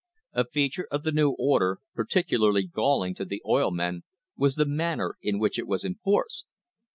A feature of the new order, particularly galling to the oil men, was the manner in which it was enforced.